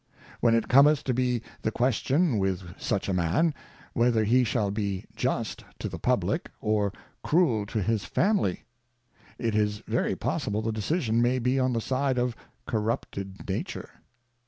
When it cometh to be the Question with such a Man, Whether he shall be Just to the Publick, or Cruel to his Family ? It is very possible the decision may be on the side of Corrupted Nature.